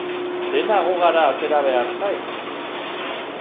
Dena gogara atera behar zaik?